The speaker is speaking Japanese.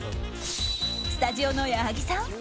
スタジオの矢作さん